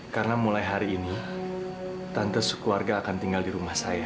karena mulai hari ini tante sekeluarga akan tinggal di rumah saya